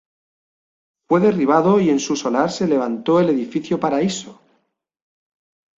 Fue derribado y en su solar se levantó el Edificio Paraíso.